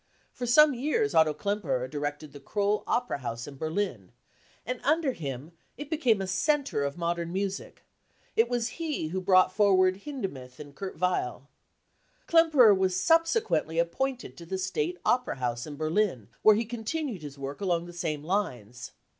For some years Otto Klemperer directed the Kroll opera house in Berlin, and under him it became a centre of modern music ; it was he who brought forward Hindemith and Kurt Weill. Klemperer was subsequently appointed to the State Opera House in Berlin, where he continued his work alo*g the same lines.